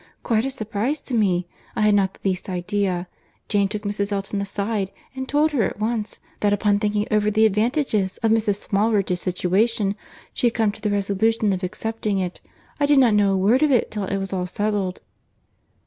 Quite a surprize to me! I had not the least idea!—Jane took Mrs. Elton aside, and told her at once, that upon thinking over the advantages of Mrs. Smallridge's situation, she had come to the resolution of accepting it.—I did not know a word of it till it was all settled."